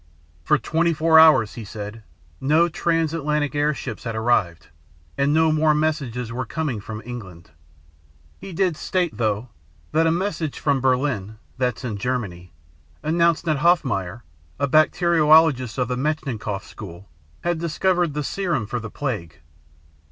"For twenty four hours, he said, no transatlantic airships had arrived, and no more messages were coming from England. He did state, though, that a message from Berlin that's in Germany announced that Hoffmeyer, a bacteriologist of the Metchnikoff School, had discovered the serum for the plague.